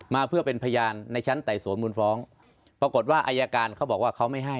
มาเพื่อเป็นพยานในชั้นไต่สวนมูลฟ้องปรากฏว่าอายการเขาบอกว่าเขาไม่ให้